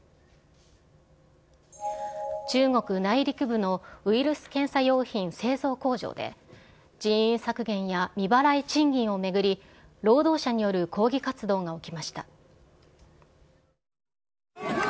中国内陸部のウイルス検査用品製造工場で、人員削減や未払い賃金を巡り、労働者による抗議活動が起きました。